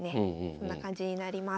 そんな感じになります。